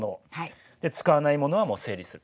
使わないものはもう整理する。